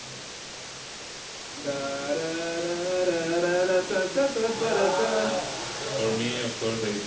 「タラララララタタタッタラッタ」